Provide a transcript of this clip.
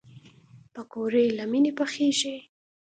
پکورې له مینې پخېږي